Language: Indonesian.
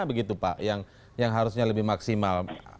begitu pak yang harusnya lebih maksimal